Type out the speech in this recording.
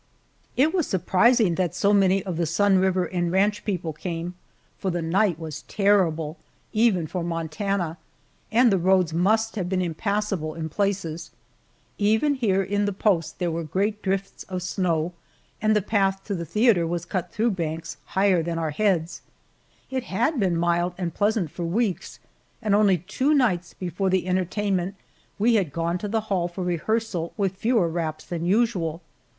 It was surprising that so many of the Sun River and ranch people came, for the night was terrible, even for Montana, and the roads must have been impassable in places. Even here in the post there were great drifts of snow, and the path to the theater was cut through banks higher than our heads. It had been mild and pleasant for weeks, and only two nights before the entertainment we had gone to the hall for rehearsal with fewer wraps than usual.